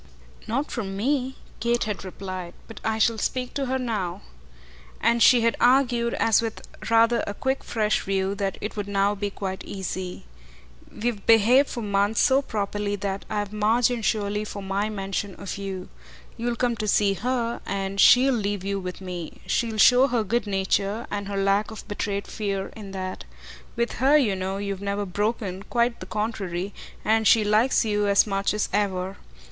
"Not from me," Kate had replied. "But I shall speak to her now." And she had argued, as with rather a quick fresh view, that it would now be quite easy. "We've behaved for months so properly that I've margin surely for my mention of you. You'll come to see HER, and she'll leave you with me; she'll show her good nature, and her lack of betrayed fear, in that. With her, you know, you've never broken, quite the contrary, and she likes you as much as ever.